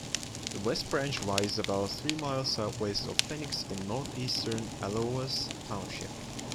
The west branch rises about three miles southwest of Phoenix in northeastern Allouez Township.